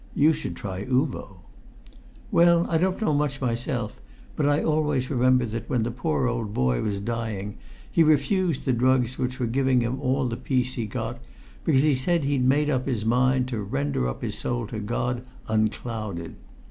You should try Uvo." "Well, I don't know much myself; but I always remember that when the poor old boy was dying he refused the drugs which were giving him all the peace he got, because he said he'd made up his mind to 'render up his soul to God unclouded.'